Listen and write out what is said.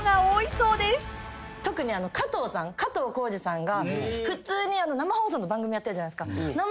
特に加藤浩次さんが生放送の番組やってるじゃないですか。